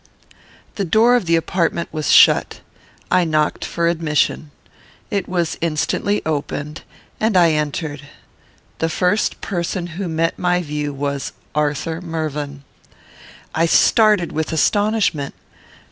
The door of the apartment was shut. I knocked for admission. It was instantly opened, and I entered. The first person who met my view was Arthur Mervyn. I started with astonishment.